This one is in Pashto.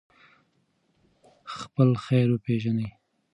خپل خیر وپېژنئ.